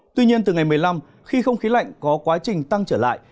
tuy nhiên từ ngày một mươi năm khi không khí lạnh có quá trình tăng trở lại